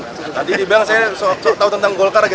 nanti dibilang saya tau tentang golkar lagi